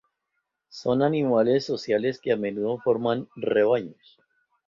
Son animales sociales que, a menudo, forman rebaños.